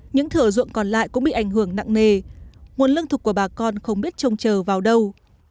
những thửa ruộng còn lại cũng bị ảnh hưởng nặng nề nguồn lương thực của bà con không biết trông chờ vào đâu